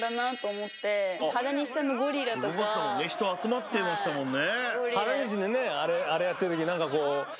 すごかったもんね人集まってましたもんね。